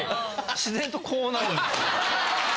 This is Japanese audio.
自然とこうなるんですよね。